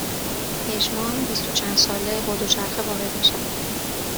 پژمان بیست و چند ساله با دوچرخه وارد میشود